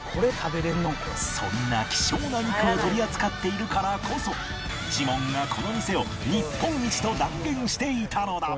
そんな希少な肉を取り扱っているからこそジモンがこの店を日本一と断言していたのだ